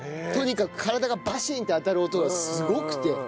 とにかく体がバシンって当たる音がすごくて。